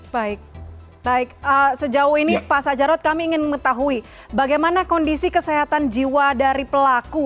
baik baik sejauh ini pak sajarot kami ingin mengetahui bagaimana kondisi kesehatan jiwa dari pelaku